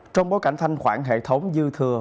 trong bối cảnh thanh khoản hệ thống dư thừa